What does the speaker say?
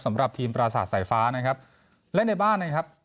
สำหรับทีมปราสาทสายฟ้านะครับเล่นในบ้านนะครับ